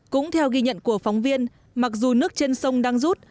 cũng theo ghi nhận của phóng viên mặc dù nước trên sông đang rút